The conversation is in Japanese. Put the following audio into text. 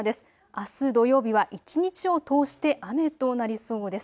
あす土曜日は一日を通して雨となりそうです。